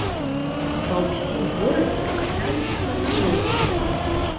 Па ўсім горадзе катаюцца на роварах.